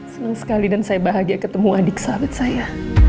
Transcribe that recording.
senang sekali dan saya bahagia ketemu adik sawit saya